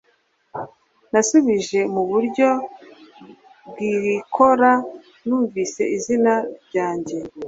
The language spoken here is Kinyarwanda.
Nasubije mu buryo bwikora numvise izina ryanjye